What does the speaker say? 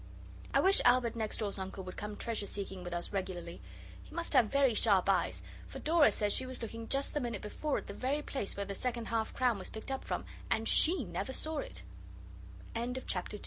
I wish Albert next door's uncle would come treasure seeking with us regularly; he must have very sharp eyes: for Dora says she was looking just the minute before at the very place where the second half crown was picked up from, and she never saw it. CHAPTER 3.